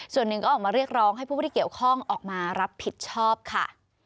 ส่วนหนึ่งก็ออกมาเรียกร้องให้ผู้ที่เกี่ยวข้องออกมารับผิดชอบค่ะ